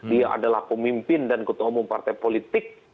dia adalah pemimpin dan ketua umum partai politik